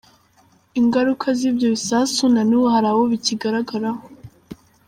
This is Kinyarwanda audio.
Ingaruka z’ibyo bisasu na n’ubu hari abo zikigaragaraho.